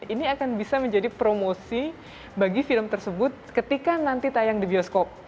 ini akan bisa menjadi promosi bagi film tersebut ketika nanti tayang di bioskop